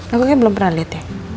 aku kayaknya belum pernah liat ya